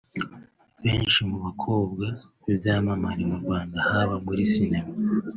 Benshi mu bakobwa b’ibyamamare mu Rwanda haba muri Sinema